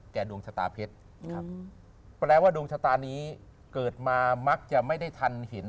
ดวงชะตาเพชรครับแปลว่าดวงชะตานี้เกิดมามักจะไม่ได้ทันเห็น